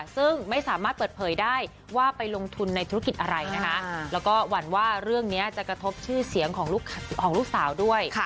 ซึ่งไม่สามารถเปิดเผยได้ว่าไปลงทุนในธุรกิจอะไรนะคะแล้วก็หวั่นว่าเรื่องนี้จะกระทบชื่อเสียงของลูกสาวด้วย